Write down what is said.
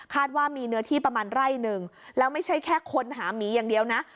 ว่ามีเนื้อที่ประมาณไร่หนึ่งแล้วไม่ใช่แค่คนหาหมีอย่างเดียวนะ